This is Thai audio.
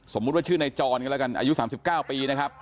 สมมุติว่าชื่อในจรกันแล้วกันอายุสามสิบเก้าปีนะครับ